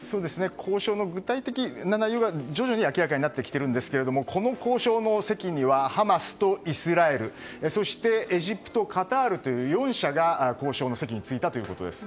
交渉の具体的な内容が徐々に明らかになってきてるんですけどこの交渉の席にはハマスとイスラエルそして、エジプトカタールという４者が交渉の席に着いたということです。